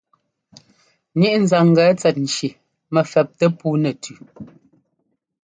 Ŋíʼ nzanglɛ tsɛt nci mɛ fɛptɛ puu nɛ tʉ́.